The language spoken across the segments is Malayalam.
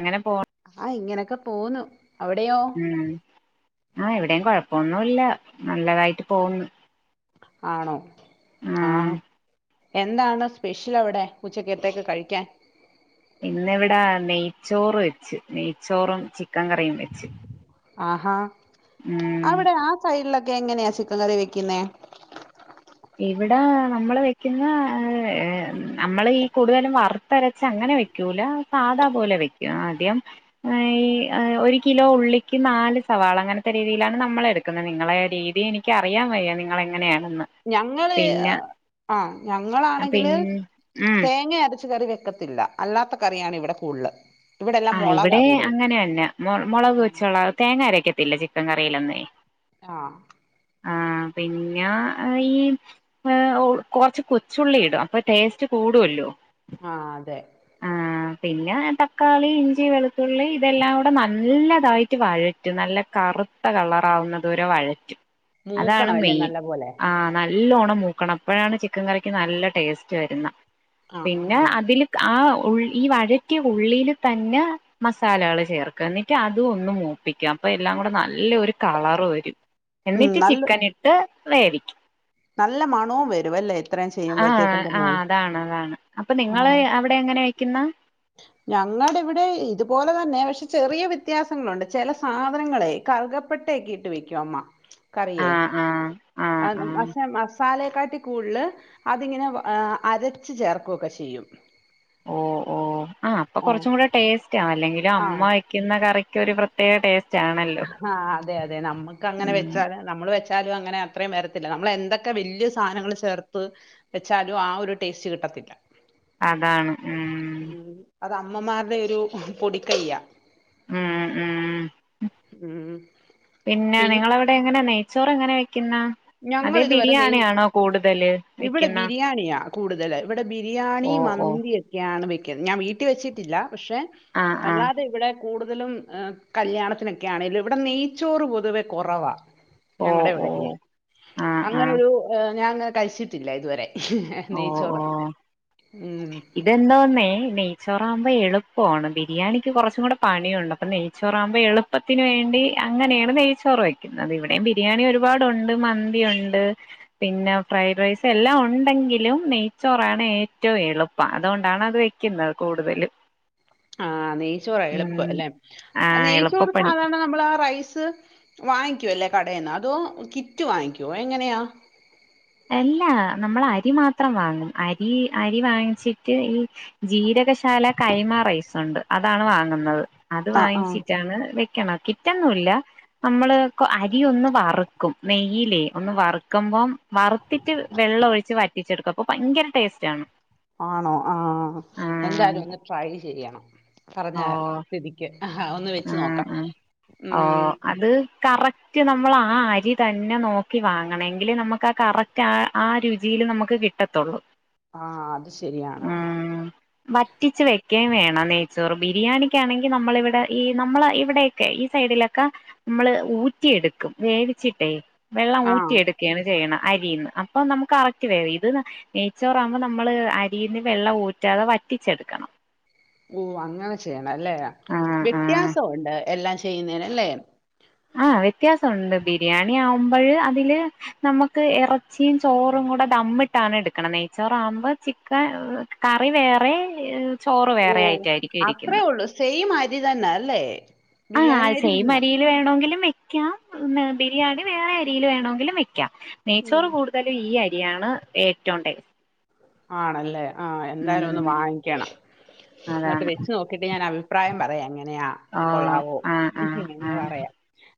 അങ്ങനെ പോ ആഹ് ഇങ്ങനെ ക്കെ പോന്നു. അവിടെയോ ഉം ആഹ് ഇവിടെം കൊഴപ്പൊന്നുല്ല നല്ലതായിട്ട് പോകുന്നു ആണോ ആ എന്താണ് സ്പെഷ്യല് അവിടെ ഉച്ചക്കത്തേക്ക് കഴിക്കാൻ ഇന്നിവിടെ നെയ്ച്ചോറ് വെച്ചു നെയ്ച്ചോറും ചിക്കൻ കറിയും വെച്ച് ആഹാ ഉം അവിടെ ആ സൈഡില ക്കെ എങ്ങനെയാ ചിക്കൻ കറി വെക്കുന്നെ ഇവിടെ നമ്മൾ വെക്കുന്ന നമ്മൾ ഈ കൂടുതലും വറുത്തരച്ച അങ്ങനെ വെക്കൂല സാധാ പോലെ വെക്കും ആദ്യം ഈ ഒരു കിലോ ഉള്ളിക്ക് നാല് സവാള അങ്ങനത്തെ രീതിയിലാണ് നമ്മള എടുക്കുന്നത് നിങ്ങളെ രീതി എനിക്ക് അറിയാൻ വയിയോ നിങ്ങളെങ്ങനെയാണെന്ന് ഞങ്ങള് പിന്നെ ആ പിൻ ഞങ്ങളാണെങ്കില് ഉം തേങ്ങ അരച്ച് കറി വെ ക്കത്തില്ല അല്ലാത്ത കറിയാണ് ഇവിടെ കൂടുതല് ഇവിടെല്ലാം ആഹ് ഇവിടെ മുളകാ കൂടുതൽ അങ്ങനെന്നെ മുളക് വെച്ചുള്ള തേങ്ങരക്കത്തില്ല ചി ക്കൻ കറീല്ലന്നേ ആ ആ പിന്ന ഈ ഏ ഒ കൊറച്ച് കൊച്ചുള്ളി ഇടും അപ്പ ടേസ്റ്റ് കൂടുല്ലോ. ആ അതെ പിന്ന തക് ക്കാളി, ഇഞ്ചി, വെളുത്തുള്ളി ഇതെല്ലാം കൂടെ നല്ലതായിട്ട് വഴറ്റും നല്ല കറുത്ത കളറാവുന്നതുവരെ വഴറ്റും. അതാണ് മൂക്കണം അല്ലേ മെയിൻ നല്ല പോലെ ആ നല് എല്ലോണം മൂക്കണം അപ്പഴാണ് ചിക്കൻ കറിക്ക് നല്ല ടേസ്റ്റ് വരുന്ന. ആ ആ പിന്നെ അതില് ക് ആ ഉള് ഈ വഴറ്റിയ ഉള്ളിയില് തന്നെ മസാലകള് ചേർക്ക എന്നിട്ട് അതു ഒന്ന് മൂപ്പിക്കാം. അപ്പ എല്ലാം കൂടെ നല്ല ഒരു കളർ വരും, ഉം എന്നിട്ട് നല്ല ചിക്കൻ ഇട്ട് വേവിക്ക നല്ല മണവും വരുവല്ലേ. ആ ആ ആ അതാണ് അതാണ് അപ്പ നിങ്ങളെ ആ അവിടെ എങ്ങനെ വെയ്ക്കുന്ന പക്ഷേ ചെറിയ വ്യത്യാസങ്ങളുണ്ട്, ചെല സാധനങ്ങളെ കറുകപ്പെട്ടക്കെ ഇട്ട് വെക്കും അമ്മ. കറിയേ ആ ആ ആ ആ മസാലെക്കാട്ടി കൂടുല് അതിങ്ങനെ വ് ഏ അരച്ച് ചേർക്കു ഒക്കെ ചെയ്യും. ഓ ഓ ആ അപ്പ ആഹ് കൊറച്ചും കൂടെ ടേസ്റ്റ് ആ അല്ലെങ്കിൽ [unintelligible] അമ്മ വെയ്ക്കുന്ന കറിക്കൊരു പ്രത്യേക ടേസ് ഹാ അതെ അതെ നമ്മുക്ക് അങ്ങനെ ഉം വെച്ചാല് നമ്മള് വെ ച്ചാലും അങ്ങനെ അത്രയും വരത്തില്ല നമ്മള് എന്തൊക്കെ വല്യ സാധനങ്ങള് ചേർത്ത് വെച്ചാലും ആ ഒരു ടേസ്റ്റ് കിട്ടത്തില്ല. അതാണ് ഉം അത് അമ്മമാരുടെ ഒരു പൊടി കയ്യാ ഉം ഉ ഉം പിന്നെ നിങ്ങളവിടെ എങ്ങന നെയ് ചോറ്ങ്ങനെ വെയ് ഞങ്ങളിതുവരെ നെയ് കൂടുതല് ഇവിടെ വെക്കുന്ന ബിരിയാണിയാ കൂടുതല് ഇവിടെ ബിരിയാണി ഓ ഓ മന്തി ഒക്കെയാണ് വെ ക്കും ഞാൻ വീട്ടി വെച്ചിട്ടില്ല. പക്ഷെ ആഹ് ആഹ് അല്ലാതിവിടെ കൂടുതലും ഏഹ് കല്യാണത്തിനൊക്കെയാണേലും ഇവിടെ നെയ്ച്ചോറ് പൊതുവെ കുറവാ ഓ ഓ ഞങ്ങടിവടക്കയേ ആഹ് ആഹ് അങ്ങനൊരൂ ഏഹ് ഞാ അങ്ങനെ കഴിച്ചിട്ടില്ല ഇതുവരെ. ഓ ഓ നെയ്ച്ചോറ്. ഉം. ഇതെന്തോന്നേ നെയച്ചോ റവുമ്പോ എളുപ്പവാണ് ബിരിയാണിക്ക് കുറച്ചും കൂടെ പണിയുണ്ട് അപ്പൊ നെയ്ച്ചോറാവുമ്പോ എളുപ്പത്തിന് വേണ്ടി അങ്ങനെയാണ് നെയ്ച്ചോറ് വെക്കുന്നത്. ഇവിടെയും ബിരിയാണി ഒരുപാടുണ്ട് മന്തി ഒണ്ട് പിന്നെ ഫ്രൈഡ് റൈസ് എല്ലാം ഒണ്ടെങ്കി ലും നെയ്ച്ചോറാണ് ഏറ്റവും എളുപ്പം അതുകൊണ്ടാണ് അത് വെക്കുന്നത് കൂടുതലും ആഹ് നെയ്‌ച്ചോറാ എളുപ്പം ഉം അല്ലെ ആഹ് നെയ്ചോറ് എളുപ്പപ്പണി സാധാരണ നമ്മൾ ആ റൈസ് വാങ്ങി കും അല്ലേ കടന്ന് അതോ കിറ്റ് വാങ്ങിക്കുവോ എങ്ങനെയാ അല്ലാ നമ്മള് അരി മാത്രം വാങ്ങും അരി അരി വാങ്ങിച്ചിട്ട് ഈ ജീരകശാല കൈമാറൈസ് അതാണ് വാങ്ങുന്നത് അത് ആ ആ. വാങ്ങിച്ചിട്ടാണ് വെക്കണേ കിട്ടൊന്നുമില്ല നമ്മള് അരിയൊന്നു വറുക്കും നെയ്യിലെ ഒന്ന് വറുക്കുമ്പോ വറുത്തിട്ട് വെള്ളം ഒഴിച്ച് വറ്റിച്ചെടുക്കുക അപ്പൊ ഭയങ്കര ടേസ്റ്റ് ആണ് ആണോ ആഹ് ആഹ് എന്തായാലും ഒന്ന് ട്രൈ ചെയ്യണം പറഞ്ഞ ഓ സ്ഥിതിക്ക് ആഹ് ആഹ് ഒന്ന് വെച്ച് ആഹ് നോക്കാം ആഹ് ഉം റ്റ് നമ്മൾ ആ അരി തന്നെ നോക്കി വാങ്ങണമെങ്കില് നമുക്ക് ആ കറക്റ്റ് ആ ആ രുചിയില് നമുക്ക് കിട്ടത്തുള്ളൂ ആഹ് അത് ശരിയാണ് ഉം വറ്റിച്ച് വെ ഓക്കേ വേണം നെയ്ച്ചോറ് ബിരിയാണിക്കാണെങ്കിൽ നമ്മള് ഇവിടെ ഈ നമ്മളെ ഇവിടെൊക്കെ ഈ സൈഡിലൊക്കെ നമ്മള് ഊറ്റിയെടുക്കും വേവിച്ചിട്ടേ വെള്ളം ആഹ് ഊറ്റിയെടുക്കുകയാണ് ചെയ്യണെ അരിന്ന് അപ്പൊ നമുക്ക് കറക്റ്റ് വേവും ഇത് നെയ്ച്ചോറാകുമ്പോ നമ്മള് അരിന്ന് വെള്ളം ഊറ്റാതെ വറ്റിച്ചെടുക്കണം ഓഹ് അങ്ങനെ ചെയ്യണം അല്ലെ ആഹ് ആഹ് വ്യത്യാസമുണ്ട് എല്ലാം ചെയുന്നനെനുയല്ലേ ആഹ് വ്യത്യാസമുണ്ട് ബിരിയാണി ആവുമ്പോഴ് അതില് നമ്മുക്ക് ഇറച്ചിയും ചോറും കൂടെ ദാമ്മിട്ടാണ് എടുക്കണെ നെയ്ച്ചോറ് ആകുമ്പോ ചിക്കൻ കറി വേറെ ചോറ് ഓ വേറെ ആയിട്ടായിരിക്കും ഇരിക്കുന്നെ അത്രേ ഉള്ളു സെയിം അരി തന്നെ ല്ലേ ആ ആ സെയിം അരിൽ വേണോ ങ്കിലും വെക്കാം ബിരിയാണി വേറെ അരിയിൽ വേണമെങ്കിലും വെക്കാം ഉം നെയ്യ്ച്ചോറ് കൂടുതലും ഈ അരി [unintelligible] ഏറ്റവും ടേസ്റ്റ് ആണല്ലേ ആ എന്തായാലും ഒന്ന് ഉം വാങ്ങിക്കണം എന്നിട്ട് അതാണ് വെച്ച് നോക്കിട്ട് ഞാൻ അഭിപ്രായം പറയാം എങ്ങനെയാ ഓ കൊള്ളാവോ ആഹ് ആഹ് എന്താ ആഹ് പറയാ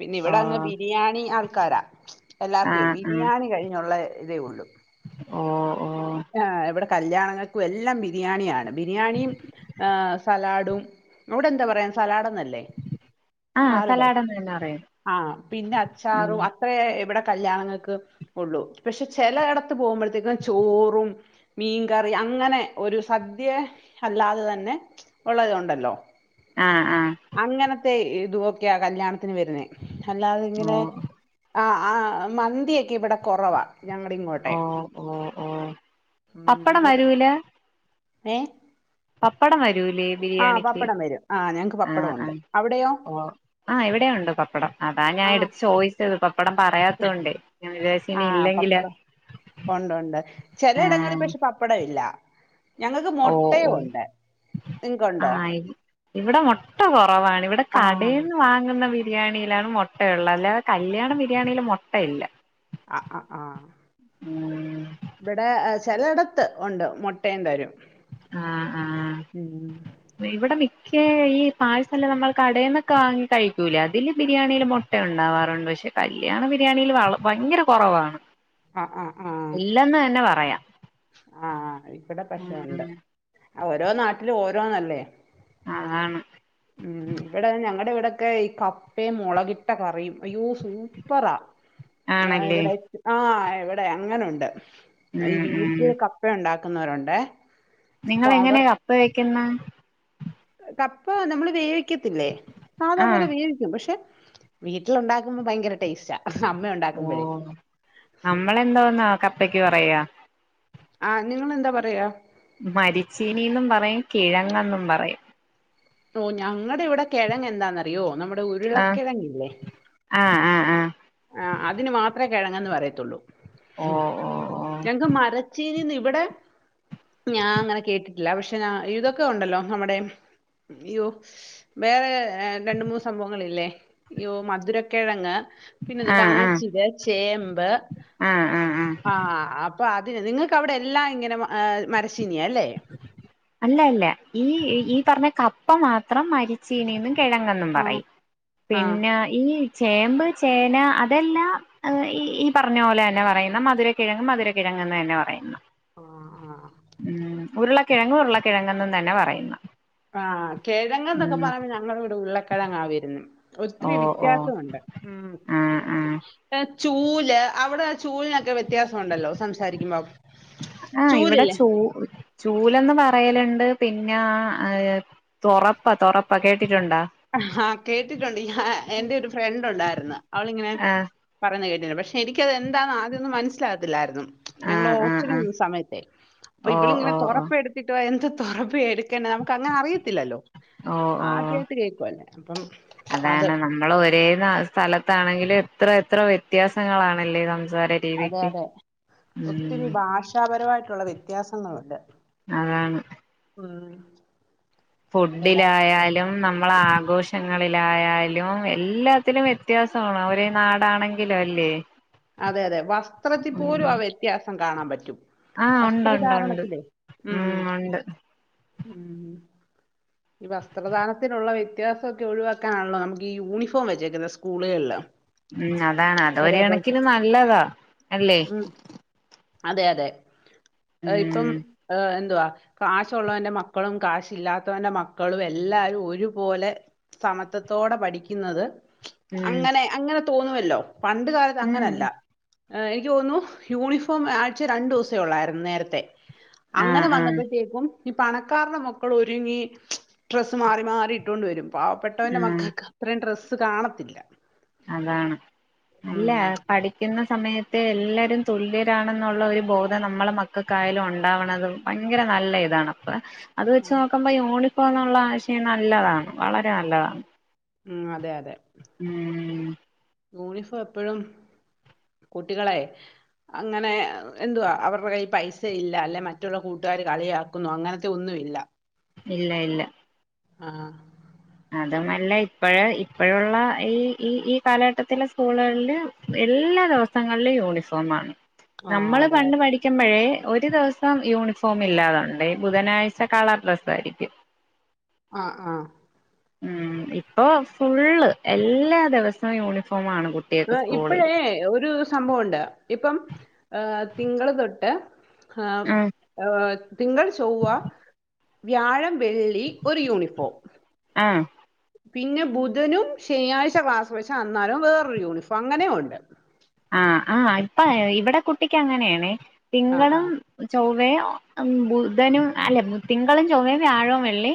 പിന്നെ ഓ ഇവിടെ അങ്ങ് ബിരിയാണി ക്കരാ എല്ലാർക്കും ആഹ് ആഹ് ബിരിയാണി കഴിഞ്ഞുള്ള ഇതേ ഉള്ളൂ ഓ ഓ ആ എവിടെ കല്യാണങ്ങൾക്കും എല്ലാം ബിരിയാണിയാണ് ബിരിയാണിയും ഏഹ് സലാഡും അവിടെ എന്താ പറയാ സലാഡന്ന് ല്ലെ ല്ലെ ആഹ് സാലട് സലാഡെന്ന് ഉം തന്നെ പറയും ആ പിന്നെ ഉം അച്ചാറും അത്രയെ വിടെ കല്യാണങ്ങൾക്ക് ഉള്ളൂ പക്ഷെ ചില ഇടത്ത് പോകുമ്പോഴത്തേക്കും ചോ റും മീൻകറി അങ്ങനെ ഒരു സദ്യ അല്ലാതെ തന്നെ ഉള്ളതുണ്ടല്ലോ ആഹ് ആഹ് അങ്ങനത്തെ ഈ ഇത് വൊക്കെയ ആ കല്യാണത്തിന് വെരുന്നേ- അല്ലാതെ ഓ ഇങ്ങനെ ആ- ആ മന്തിയൊക്കെ ഇവിടെ കൊറവാ- ഞങ്ങടെ ഇങ്ങോട്ടെ ഓ ഓ ഓ ഉം പപ്പടം നമുക്ക് വരൂല- ഏ പപ്പടം വരൂൽ- ല്ലേ ആ ബിരിയാണിക്ക് പപ്പടം വരും ആ ഞങ്ങക്ക് ആ പപ്പടം ആ ഉണ്ട് അവിടെയോ ഓ ആ ഇവിടെ ഉണ്ട് പപ്പടം അതാ ഞാൻ ആ എടു ചോദിച്ചത് പപ്പടം പറയാത്തോണ്ടേ ഞാൻ വിചാരിച്ച് ആ ഇനി ഇല്ലെങ്കില് പപ്പടം ഒണ്ടൊണ്ട് ചെലയിടങ്ങളിൽ ആഹ് പക്ഷെ പപ്പടം ഇല്ല- ഞങ്ങൾക്ക് ഓ ഓ മുട്ടയും ഉണ്ട് ആ നിങ്ങക്കുണ്ടോ ഇവിടെ മൊട്ട കൊറവാണ് ഇവിടെ ആഹ് കടേയിന്ന് വാങ്ങുന്ന ബിരി ബിരിയാണിയിലാണ് മൊട്ടയള്ളത് അല്ലാതെ കല്യാണ ബിരിയാണിയില് മൊട്ടയില്ല- ആ ആ ആ ഉം ഇവിടെ- ചെലേയിടത്ത് ഒണ്ട് മൊട്ടയും തരും ആഹ്‌ ഉം ആഹ്‌ ഇവിടെ മി പക്ഷേ ഈ പാർസൽ നമ്മൾ കടയിൽന്നൊക്കെ വാങ്ങി കഴിക്കൂലേ അതില് ബിരിയാണിൽ മൊട്ട ഉണ്ടാവാറുണ്ട് പക്ഷെ കല്യാണ ബിരിയാണിൽ വള ഭയങ്കര കൊറവാണ്- ആ ആ ആ ഇല്ലെന്ന് തന്നെ പറയാം ആഹ് ആ ഇവിടെ പക്ഷേ ഉണ്ട് ഉം ആഹ് ഓരോ നാട്ടിലും ഓരോന്നല്ലേ? അതാണ് ഉം ഇവിടെ ഞങ്ങടെ ഇവിടെ ഒക്കെ ഈ കപ്പയും മുളകിട്ട കറിയും അയ്യോ സൂപ്പറാ ആ ആണല്ലേ ഇവിടെ ആ ഇവിടെ അങ്ങനുണ്ട് ഉം അയ്തീ പ്പ ഉണ്ടാക്കുന്നവരുണ്ടേ നിങ്ങൾ അപ്പൊ അവർ എങ്ങനെയാ കപ്പ വെയ്ക്കുന്നേ കപ്പ നമ്മള് വേവി ക്കത്തില്ലേ സാദാ പോലെ ആഹ് വേവിയ്ക്കും പക്ഷെ വീട്ടിൽ ഉണ്ടാക്കുമ്പോ ഭയങ്കര ടേസ്റ്റാ അമ്മ ഓ ഉണ്ടാക്കുമ്പോഴേ നമ്മളെന്തോന്നാ കപ്പയ്ക്ക് പറയ? ആഹ്‌ നിങ്ങളെന്താ പറയാ? മരിച്ചീനീന്നും പറയും കിഴങ്ങെന്നും പറയും ഓ ഞ ങ്ങടെ ഇവിടെ കിഴങ്ങ് എന്താന്നറിയോ നമ്മുടെ ആഹ് ഉരുളക്കിഴങ്ങില്ലേ ആഹ് ആഹ് ആഹ് ആ അതിന് മാത്രമേ കിഴങ്ങെന്ന് പറയത്തുള്ളൂ ഹ്‌ ഓഹ് ഓഹ് ഓഹ് ഞങ്ങൾക്ക് മരച്ചിനി ഇവിടെ ഞാൻ അങ്ങനെ കേട്ടിട്ടില്ല പക്ഷെ ഇതൊക്കെ ഉണ്ടല്ലോ നമ്മുടെ ഇയ്യോ വേറെ രണ്ട് മൂന്ന് സംഭവങ്ങളില്ലേ ഇയ്യോ മധുരക്കിഴങ്ങ് പിന്നെന്തുവാ ആഹ് ആഹ് കാച്ചില് ചേമ്പ് ആഹ് ആഹ് ആഹ് ആഹ്‌ അപ്പൊ അത്- നിങ്ങൾക്ക് അവിടെ എല്ലാം ഇങ്ങനെ മരച്ചീനിയാ അല്ലെ അല്ല അല്ല ഈ ഈ പറഞ്ഞ കപ്പ മാത്രം മരിച്ചീനിന്ന് കിഴങ്ങെന്നും ആഹ് പറയും ആഹ് പിന്നെ ഈ- ചേമ്പ്, ചേന അതെല്ലാം ഈ ഈ പറഞ്ഞ പോലെ തന്നെ പറയുന്നെ മധുര കിഴങ്ങ് മധുര കിഴങ്ങ് എന്ന് തന്നെ പറയുന്നെ ആഹ് ഉരുള- കിഴങ്ങും ഉരുളകിഴങ്ങ് എന്നന്ന് തന്നെ പറയുന്നു ആ കെഴങ്ങ് എന്നൊക്കെ ഉം പറയുമ്പോ ഞങ്ങളുടെ ഇവിടെ ഉരുളക്കിഴങ്ങാ വരുന്നേ ഒത്തിരി ഓഹ് ഓഹ് വ്യത്യാസമുണ്ട് ഉം ആഹ് ആഹ് ചൂല് അവിടെ ചൂലിനൊക്കെ വ്യ- ആഹ് ഇവിടെ ചൂലില്ലേ ചൂ ചൂലന്ന് പറയലുണ്ട് പിന്നെ തൊറപ്പാ തൊറപ്പ കേ ആഹ് കേട്ടിട്ടുണ്ട് ഞ എന്റെ ഒരു ഫ്രണ്ട് ഉണ്ടായിരുന്നു അവളിങ്ങനെ ആഹ് പറഞ്ഞു കേട്ടി ട്ടുണ്ട് പക്ഷേ എനിക്കത് എന്താന്ന് ആദ്യം ഒന്നും മനസ്സിലാകത്തില്ലായിരുന്നു ഞങ്ങൾ ആഹ് ആഹ് ഹോസ്റ്റലിൽ ആഹ് നിന്ന സമയത്തെ അപ്പോ ഓ ഇവളിങ്ങനെ ഓ ഓ തുറപ്പ എടുത്തിട്ട് വാ എ തുറപ്പയെടു നമുക്ക് അങ്ങനെ അറിയത്തില്ലല്ലോ ഓ ഓ ആദ്യാ അതാണ് നമ്മള് ഒരേ ന സ്ഥലത്താണെങ്കില് ഇത്ര ത്ര വ്യത്യാസങ്ങളാണല്ലേ ന അതെ അതെ ഒത്തിരി ഭാഷാപരമായി ട്ടുള്ള വ്യത്യാസങ്ങളുണ്ട്. അതാണ്. ആഹ് ഫുഡ്ഢിലായാ ലും നമ്മള് ആഘോഷങ്ങളിലായാലും എല്ലാത്തിലും വ്യത്യാസമാണ് ഒരേ നാടാണെങ്കിലും അല്ലേ? അതെ അതെ വസ്ത്രത്തിൽ ഉം പോലും ആ വ്യത്യാസം കാണാൻ പറ്റും. ആഹ് ഉണ്ട്ണ്ട് ഉണ്ട് വസ്ത്രധാരണത്തിലേ ഉം ഉണ്ട് ഉം ഈ വസ്ത്രധാരണത്തിനുള്ള വ്യത്യാസൊക്കെ ഒഴിവാക്കാനാണല്ലോ നമുക്ക് ഈ യൂണിഫോം വെച്ചേക്കുന്നത് സ്കൂളുകളില്. ഉം അതാണ് അത ഒര് ഒരേ പോലത്തെ കണക്കിന് നല്ലതാ അല്ലേ ഉം അതെ അതെ അ ഇപ്പം ഉം ആ എന്തുവാ കാശുള്ളവന്റെ മക്കളും കാശ് ഇല്ലാത്തവന്റെ മ ക്കളും എല്ലാരും ഒരുപോലെ സമത്വത്തോടെ പഠിക്ക്ന്നത് അങ്ങനെ അങ്ങനെ തോന്നുവല്ലോ പണ്ട് കാലത്ത് ഉം അങ്ങനെല്ല ഏ എനിക്ക് തോന്ന്ന്നു യൂണിഫോം ആഴ്ചേ രണ്ടൂസേ ഒള്ളായിര്ന്ന് നേരത്തെ ആഹ് അങ്ങനെ ആഹ് വന്നപ്പഴ്ത്തേക്കും ഈ പണക്കാര്ടെ മക്കളൊര്ങ്ങി ഡ്രസ്സ് മാറി മാറി ഇട്ടാേണ്ട്‌ വെരും പാവപ്പെട്ടവന്റെ ഉം മക്കക്ക് അത്രയും ഡ്രസ്സ് കാണത്തില്ല അതാണ് അല്ല ഉം പഠിക്ക്ന്ന സമയത്തെ എല്ലരും തുല്യരാണെന്നൊള്ളൊരു ബോധം നമ്മളെ മക്കക്കായാലും ഉണ്ടാവണത് ഭയങ്കര നല്ല ഇതാണ് അപ്പ അത് വെച്ച് നോക്കുമ്പ യൂണി ഇപ്പോന്നൊള്ള ആശയം നല്ലതാണ്. വളരെ നല്ലതാ ഉം അതെ അതെ. ഉം. ഊണിഫോം എപ്പഴും കുട്ടികളെ അങ്ങനെ എന്തുവാ അവരുടെ കൈയി പൈസ ഇല്ല, അല്ലെ മറ്റുള്ള കൂട്ടുകാര് കളിയാക്കുന്നു അങ്ങനത്തെ ഒന്നും ഇല്ല. ഇല്ല ഇല്ല. ആ തുന്നൊല്ലാ ഇപ്പഴേ ഇപ്പഴൊള്ള ഈ ഈ ഈ കാലഘട്ടത്തിലെ സ്കൂളുകളില് എല്ലാ ദെ വസങ്ങളിലും യൂണിഫോമാണ്. ആ നമ്മള് അതെ പണ്ട് അതെ പഠിക്കുമ്പഴേ ഒരു ദെവസം യൂണിഫോം ഇല്ലാതൊണ്ട്. ബുധനാഴ്ച കളർ ഡ്രസ്സായിരിക്കും. അ ആ ഉം ഇപ്പൊ ഫുള്ള് എല്ലാ ദെവസോം യൂണിഫോമാണ്. കുട്ടികൾക്ക് സ്കൂളില് ഇപ്പോഴേ ഒരു സംഭവം ഒണ്ട്. ഇപ്പം ഏ തിങ്കള് തൊട്ട് ഉം [unintelligible] തിങ്കൾ, ചൊവ്വ, വ്യാഴം. വെള്ളി ഒരു യൂണിഫോം. ആഹ് പിന്നെ ബുധനും ശനിയാഴ്ച്ച ക്ലാസ് വെച്ചാ അന്നാരം വേറൊരു യൂണിഫോം അങ്ങനേം ഒണ്ട്. ആ ആഹ് ഇപ്പൊ ഇവിടെ കുട്ടിക്ക് അങ്ങനെയാണേ. ആ ആ തിങ്കളും ചൊ വ്വേം ഒ ബുധനും അല്ലെ തിങ്കളും ചൊവ്വയും വ്യാഴവും വെള്ളി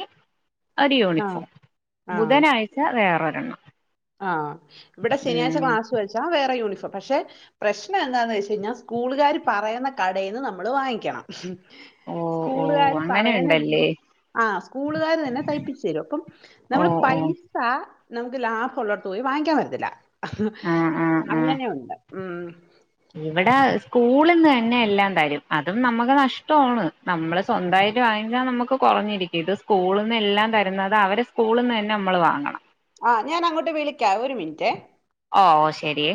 ഒരു ആ യൂണിഫോം ആ ബുധനാഴ്ച വേറൊ [unintelligible] ആഹ് ഇവിടെ ശനിയാഴ്ച്ച ക്ലാസ് വെച്ചാ വേറെ യൂണിഫോ പക്ഷെ പ്രശ്നന്താന്ന് വച്ച് കഴിഞ്ഞാൽ സ്കൂളുകാര് പറയുന്ന കടേന്ന് നമ്മള് വാങ്ങിക്കണം. ഓ ഓ സ്കൂളുകാര് അങ്ങനെ പറയ്ന്ന ഉണ്ടല്ലേ രീതി ആ സ്കൂളുകാര് തന്നെ തയ്പ്പിച്ച് തരും പ്പം ഓ നമ്മള് ഓ പൈസാ നമുക്ക് ലാ കൊള്ളോടത്ത് പോയി വാങ്ങിക്കാൻ വരത്തില്ല. ആഹ് ആഹ് ആഹ് അങ്ങനെ ഒണ്ട്. മ്മ് ഇവിടെ സ്കൂള്ന്ന് തന്നെ എല്ലാം തരും അതും നമ്മക്ക് നഷ്ടാണ്. നമ്മള് സ്വന്തായിട്ട് വാങ്ങിച്ചാ നമുക്ക് കൊറഞ്ഞിരിക്കും ഇത് സ്കൂള്ന്ന് എല്ലാം തരുന്നത് അവരെ സ്കൂള്ന്ന് അന്നെ മ്മള് വാങ്ങണം. ആ ഞാൻ അങ്ങോട്ട് വിളിക്കാം ഒരു മിനിറ്റേ.. ഓഓ ശെരിയേ.